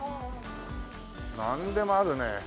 なんでもあるね。